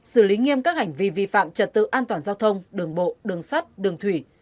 xử lý nghiêm các hành vi vi phạm trật tự an toàn giao thông đường bộ đường sắt đường thủy